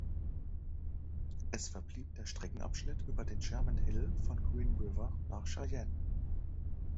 Es verblieb der Streckenabschnitt über den Sherman Hill von Green River nach Cheyenne.